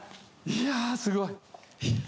いやすごい。